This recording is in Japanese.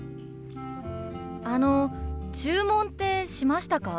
あの注文ってしましたか？